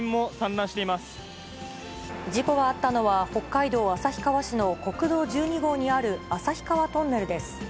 事故があったのは、北海道旭川市の国道１２号にある旭川トンネルです。